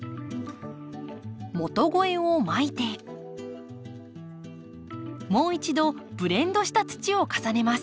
元肥をまいてもう一度ブレンドした土を重ねます。